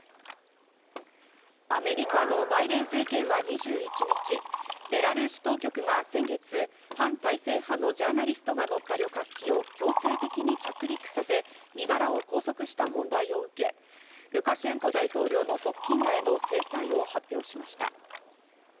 アメリカのバイデン政権は２１日、ベラルーシ当局が先月、反体制派のジャーナリストが乗った旅客機を強制的に着陸させ、身柄を拘束した問題を受け、ルカシェンコ大統領の側近らへの制裁を発表しました。